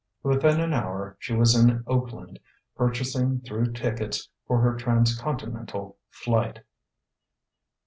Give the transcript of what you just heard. Within an hour she was in Oakland, purchasing through tickets for her transcontinental flight.